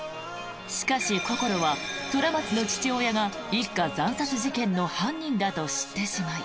しかし、こころは虎松の父親が一家惨殺事件の犯人だと知ってしまい。